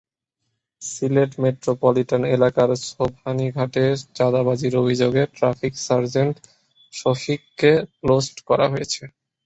Sylhet metropolitan এলাকার সোবহানীঘাটে চাঁদাবাজির অভিযোগে ট্রাফিক সার্জেন্ট শফিককে ক্লোজড করা হয়েছে।